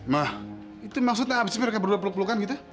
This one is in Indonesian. ma itu maksudnya abis itu mereka berdua peluk pelukan gitu